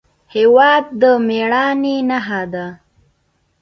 هېواد د مېړانې نښه ده.